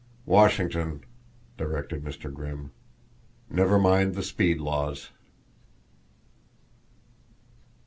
"Washington!" directed Mr. Grimm. "Never mind the speed laws."